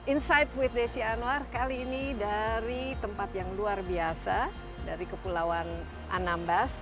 insight with desi anwar kali ini dari tempat yang luar biasa dari kepulauan anambas